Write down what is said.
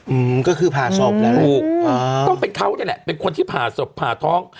อืมก็คือผ่าศพแล้วถูกอ่าต้องเป็นเขาเนี่ยแหละเป็นคนที่ผ่าศพผ่าท้อง